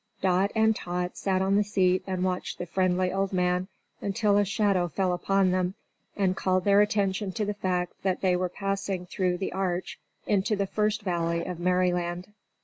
Dot and Tot sat on the seat and watched the friendly old man until a shadow fell upon them, and called their attention to the fact that they were passing through the arch into the First Valley of Merryland.